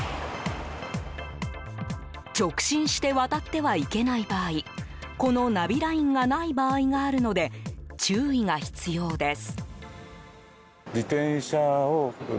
直進して渡ってはいけない場合このナビラインがない場合があるので注意が必要です。